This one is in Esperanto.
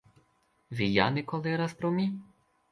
Vi ja ne koleras pro mi?